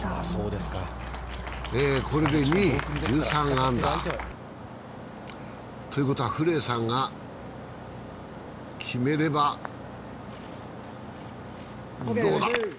これで２位、１３アンダー。ということは古江さんが決めればどうだ。